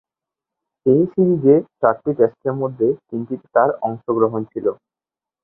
এ সিরিজের চারটি টেস্টের মধ্যে তিনটিতে তার অংশগ্রহণ ছিল।